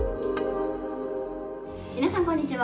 皆さん、こんにちは。